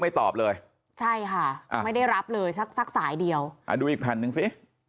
ไม่ตอบเลยใช่ค่ะไม่ได้รับเลยสักสายเดียวดูอีกพันนึงสิ